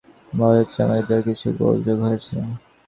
ভয় হচ্ছে, আমার হৃদযন্ত্রে কিছু গোলযোগ হয়েছে।